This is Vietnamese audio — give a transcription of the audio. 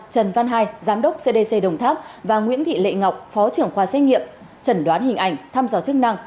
trần văn hai giám đốc cdc đồng tháp và nguyễn thị lệ ngọc phó trưởng khoa xét nghiệm chẩn đoán hình ảnh thăm dò chức năng